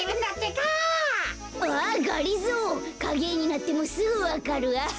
かげえになってもすぐわかる。